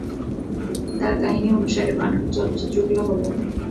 তার কাহিনী অনুসারে বানানো চলচ্চিত্রগুলি হলঃ